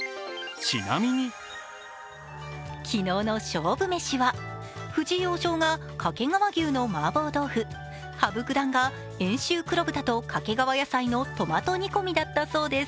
昨日の勝負飯は、藤井王将が掛川牛の麻婆豆腐、羽生九段が遠州黒豚と掛川野菜のトマト煮込みだったそうです。